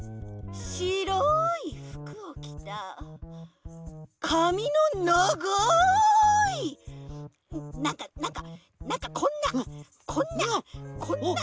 しろいふくをきたかみのながいなんかなんかなんかこんなこんなこんなふく。